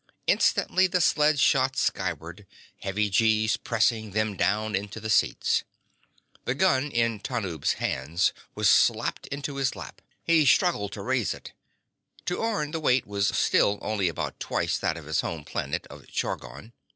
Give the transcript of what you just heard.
Instantly, the sled shot skyward, heavy G's pressing them down into the seats. The gun in Tanub's hands was slammed into his lap. He struggled to raise it. To Orne, the weight was still only about twice that of his home planet of Chargon.